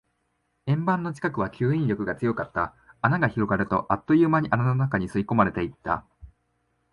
円盤の近くは吸引力が強かった。穴が広がると、あっという間に穴の中に吸い込まれていった。